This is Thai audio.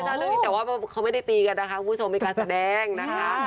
ใช่แต่ว่าเขาไม่ได้ตีกันนะคะคุณผู้ชมมีการแสดงนะคะ